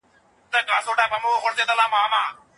هر انسان په ټولنه کي هوسا ژوند غواړي.